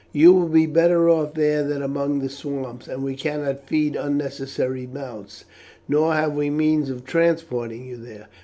"You will be better off there than among the swamps, and we cannot feed unnecessary mouths; nor have we means of transporting you there.